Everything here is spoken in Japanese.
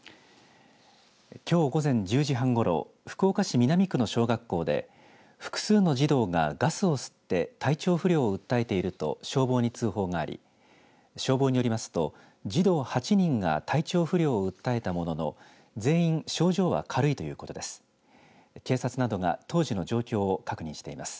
きょう午前１０時半ごろ福岡市南区の小学校で複数の児童がガスを吸って体調不良を訴えていると消防に通報があり消防によりますと児童８人が体調不良を訴えたものの全員症状は軽いということです。